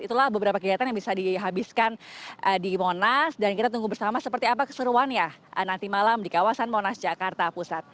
itulah beberapa kegiatan yang bisa dihabiskan di monas dan kita tunggu bersama seperti apa keseruannya nanti malam di kawasan monas jakarta pusat